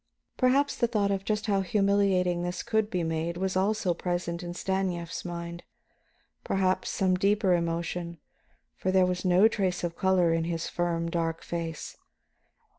Perhaps the thought of just how humiliating this could be made was also present in Stanief's mind, perhaps some deeper emotion, for there was no trace of color in his firm dark face.